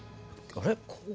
あれ？